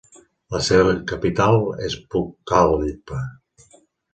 La seva capital és Pucallpa.